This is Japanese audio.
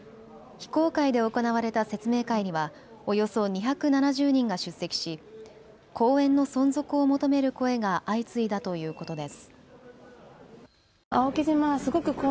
非公開で行われた説明会にはおよそ２７０人が出席し公園の存続を求める声が相次いだということです。